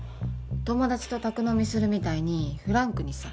友達と宅飲みするみたいにフランクにさ。